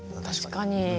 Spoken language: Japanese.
確かに。